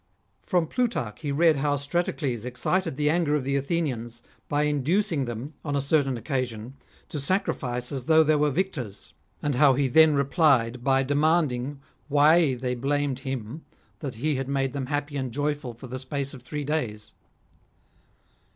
From Plutarch he read how Stratocles excited the. anger of the Athenians by inducing them on a certain PHILIP OTTONIERI. 135 occasion to sacrifice as though they were victors ; and how he then replied by demanding why they blamed him that he had made them happy and joyful for the space of three days.